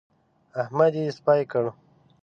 احمد يې سپي کړ.